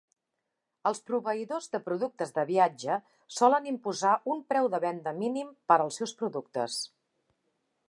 Els proveïdors de productes de viatge solen imposar un preu de venda mínim per als seus productes.